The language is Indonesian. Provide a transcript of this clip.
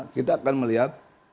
kita akan melihat